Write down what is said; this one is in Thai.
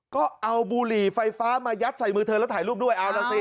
ก็เอาบุหรี่ไฟฟ้ายัดใส่มือเธอแล้วถ่ายรูปด้วย